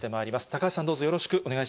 高橋さん、どうぞよろしくお願い